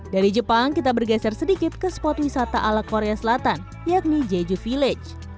dari jepang kita bergeser sedikit ke spot wisata ala korea selatan yakni jeju village